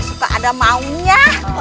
suka ada maunya